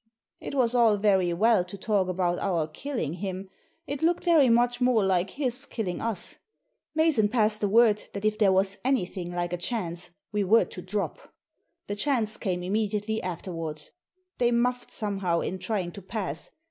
It was all very well to talk about our killing him. It looked very much more like his killing us. Mason passed the word that if there was anything like a chance we were to drop. The chance came im mediately afterwards. They muffed somehow in trying to pass.